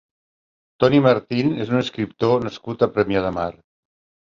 Toni Martín és un escriptor nascut a Premià de Mar.